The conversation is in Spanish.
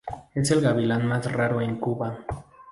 Es el gavilán más raro en Cuba.